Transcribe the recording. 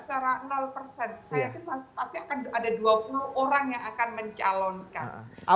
saya yakin pasti akan ada dua puluh orang yang akan mencalonkan